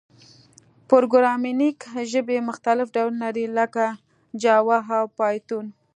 پروګرامینګ ژبي مختلف ډولونه لري، لکه جاوا او پایتون.